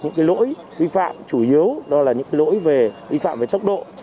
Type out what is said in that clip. những lỗi vi phạm chủ yếu đó là những lỗi vi phạm về chốc độ